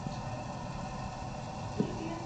هغه توکي چي په ګودامونو کي دي باید وپلورل سي.